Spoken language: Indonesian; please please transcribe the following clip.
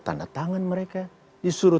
tanda tangan mereka disuruh